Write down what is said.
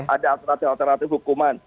ada alternatif alternatif hukuman